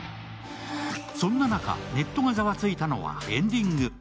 そんな中、ネットがざわついたのはエンディング。